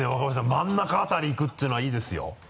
真ん中辺りいくっていうのはいいですよ。